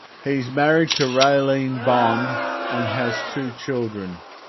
He is married to Raylene Bohn and has two children.